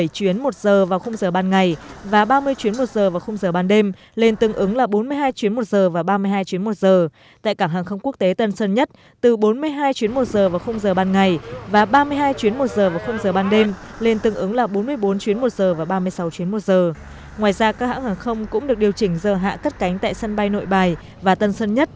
các hãng hàng không cũng được điều chỉnh giờ hạ cất cánh tại sân bay nội bài và tân sân nhất